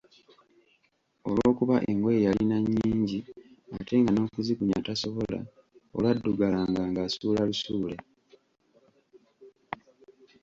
Olwokuba engoye yalina nnyingi ate nga n'okuzikunya tasobola olwaddugalanga nga asuula lusuule.